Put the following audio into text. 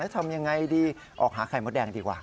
ทำยังไงดีออกหาไข่มดแดงดีกว่า